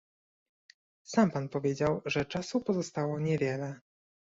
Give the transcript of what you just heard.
Sam Pan powiedział, że czasu pozostało niewiele